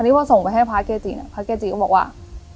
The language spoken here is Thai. นี่พอส่งไปให้พระเกจิเนี่ยพระเกจิก็บอกว่า